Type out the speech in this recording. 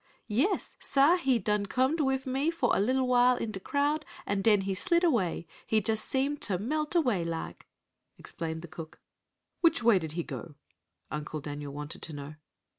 "Yais, sah, he done comed wif me fo' a little while in de crowd, an' den he slid away he just seem t' melt away laik," explained the cook. "Which way did he go?" Uncle Daniel wanted to know.